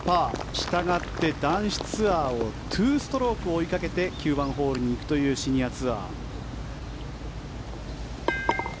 したがって、男子ツアーを２ストローク追いかけて９番ホールに行くというシニアツアー。